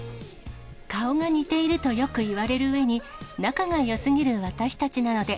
顔が似ているとよく言われるうえに、仲がよすぎる私たちなので、